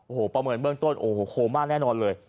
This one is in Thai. โอ้โหประเมินเบื้องต้นโอ้โหโคม่าแน่นอนเลย